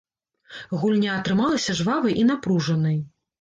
Гульня атрымалася жвавай і напружанай.